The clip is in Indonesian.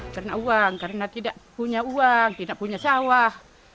karena uang karena tidak punya uang tidak punya sawah